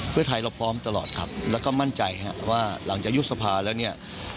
เพื่อไทยเราพร้อมตลอดครับแล้วก็มั่นใจครับว่าหลังจากยุบสภาแล้วเนี่ย